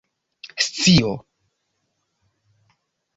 scio